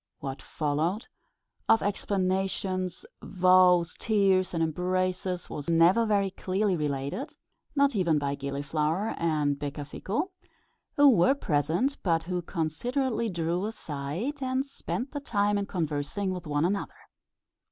What followed of explanations, vows, tears, and embraces was never very clearly related, not even by Gilliflower and Becafico, who were present, but who considerately drew aside, and spent the time in conversing with one another.